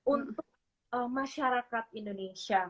untuk masyarakat indonesia